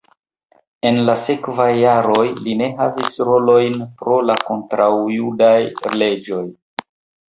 En la sekvaj jaroj li ne havis rolojn pro la kontraŭjudaj leĝoj.